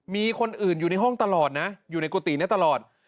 มีคนอื่นอยู่ในห้องตลอดนะอยู่ในกุฏินี้ตลอด